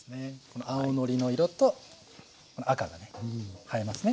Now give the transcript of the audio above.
この青のりの色とこの赤がね映えますね。